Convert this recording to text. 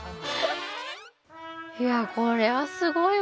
いやこれはすごいわ。